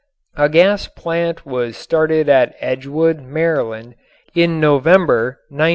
A gas plant was started at Edgewood, Maryland, in November, 1917.